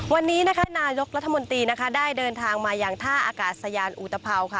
วันนี้นายกรัฐมนตรีได้เดินทางมาอย่างท่าอากาศสยานอุตถะพาว